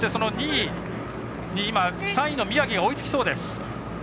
２位に３位の宮城が追いつきそうです。